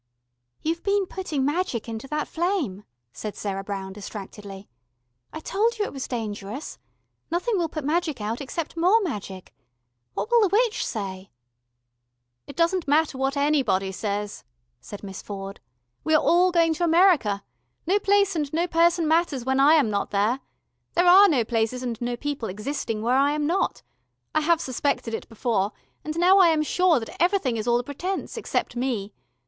"You've been putting magic into that flame," said Sarah Brown distractedly. "I told you it was dangerous. Nothing will put magic out, except more magic. What will the witch say?" "It doesn't matter what anybody says," said Miss Ford. "We are all going to America. No place and no person matters when I am not there. There are no places and no people existing where I am not. I have suspected it before, and now I am sure that everything is all a pretence, except me.